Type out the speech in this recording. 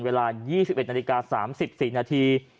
เวลา๒๑นาฬิกา๓๔นาที